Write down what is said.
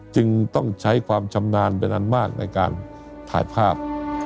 จึงต้องใช้ความชำนาญเป็นอันมากในการถ่ายภาพ